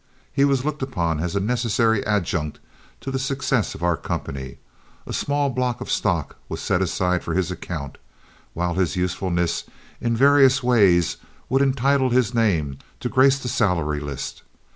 He was looked upon as a necessary adjunct to the success of our company, a small block of stock was set aside for his account, while his usefulness in various ways would entitle his name to grace the salary list.